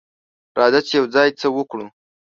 راځه چې یوځای څه وکړو.